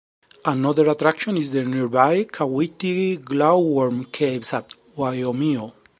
Another attraction is the nearby Kawiti glowworm Caves at Waiomio.